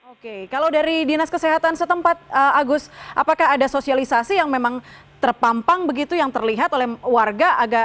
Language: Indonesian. oke kalau dari dinas kesehatan setempat agus apakah ada sosialisasi yang memang terpampang begitu yang terlihat oleh warga